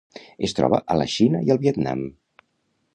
Es troba a la Xina i al Vietnam.